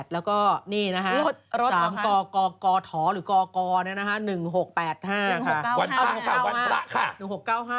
แล้วก็นี่นะครับสามกอกอทอหรือกอกอนี่นะฮะ๑๖๘๕ค่ะวันตะ